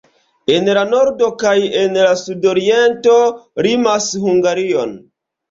En la nordo kaj en la sudoriento limas Hungarion.